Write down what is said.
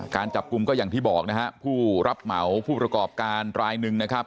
การจับกลุ่มก็อย่างที่บอกนะฮะผู้รับเหมาผู้ประกอบการรายหนึ่งนะครับ